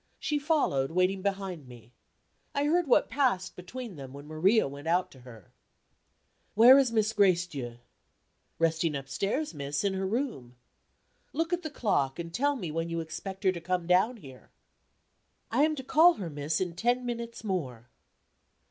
She followed, waiting behind me. I heard what passed between them when Maria went out to her. "Where is Miss Gracedieu?" "Resting upstairs, miss, in her room." "Look at the clock, and tell me when you expect her to come down here." "I am to call her, miss, in ten minutes more."